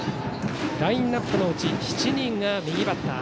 ラインナップのうち７人が右バッター。